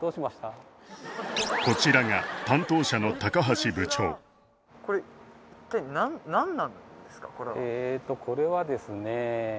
こちらが担当者の高橋部長えとこれはですね